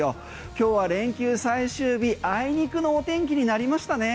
今日は連休最終日あいにくのお天気になりましたね。